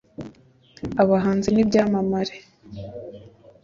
abahanzi n’ibyamamare